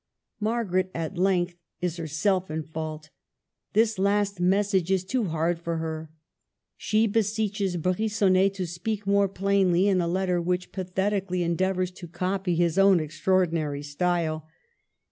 Margaret at length is herself in fault This last message is too hard for her. She beseeches Brigonnet to speak more plainly in a letter which pathetically endeavors to copy his own extraor • dinary style.